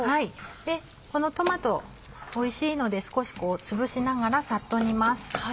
このトマトおいしいので少しつぶしながらさっと煮ます。